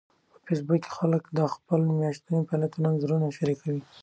په فېسبوک کې خلک د خپلو میاشتنيو فعالیتونو انځورونه شریکوي